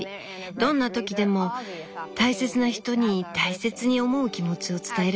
どんな時でも大切な人に大切に思う気持ちを伝えるのが一番です。